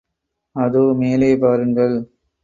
அதோ, மேலே பாருங்கள்.